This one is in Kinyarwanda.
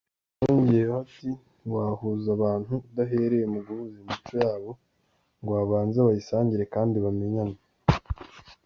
Yongeyeho ati “Ntiwahuza abantu udahereye mu guhuza imico yabo ngo babanze bayisangire kandi bamenyane.